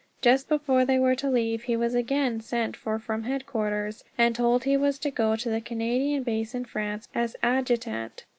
Just before they were to leave he was again sent for from Headquarters, and told he was to go to the Canadian Base in France as adjutant.